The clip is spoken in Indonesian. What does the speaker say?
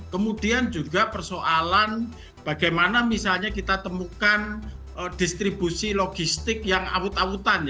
kemudian juga persoalan bagaimana misalnya kita temukan distribusi logistik yang awut awutan